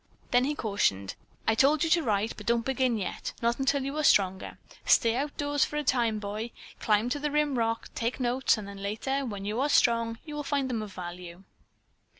Then he cautioned: "I told you to write, but don't begin yet. Not until you are stronger. Stay outdoors for a time, boy. Climb to the rim rock, take notes, and then later, when you are strong, you will find them of value."